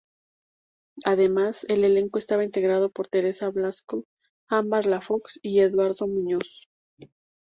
Además, el elenco estaba integrado por Teresa Blasco, Ámbar La Fox y Eduardo Muñoz.